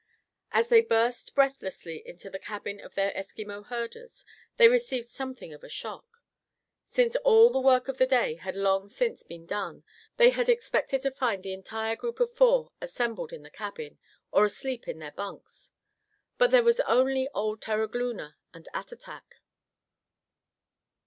As they burst breathlessly into the cabin of their Eskimo herders, they received something of a shock. Since all the work of the day had long since been done, they had expected to find the entire group of four assembled in the cabin, or asleep in their bunks. But here was only old Terogloona and Attatak.